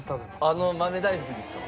あの豆大福ですか？